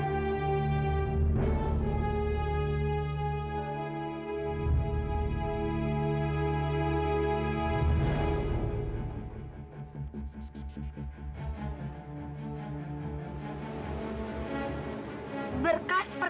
di sini berita terkini terbaiknya